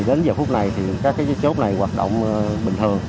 đến giờ phút này thì các cái chốt này hoạt động bình thường